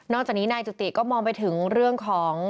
จากนี้นายจุติก็มองไปถึงเรื่องของ